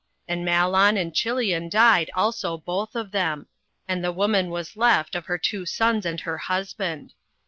08:001:005 And Mahlon and Chilion died also both of them; and the woman was left of her two sons and her husband.